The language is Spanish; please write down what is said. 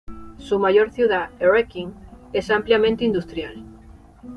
Su mayor ciudad, Erechim, es ampliamente industrial.